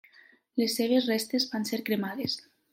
Les seves restes van ser cremades.